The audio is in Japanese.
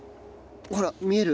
ほら見える？